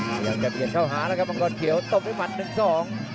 กำลังจะเปลี่ยนเข้าหานะครับมังกรเขียวต้มให้ปัดหนึ่งสอง